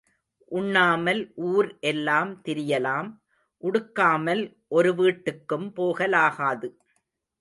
உண்ணாமல் ஊர் எல்லாம் திரியலாம் உடுக்காமல் ஒரு வீட்டுக்கும் போகலாகாது.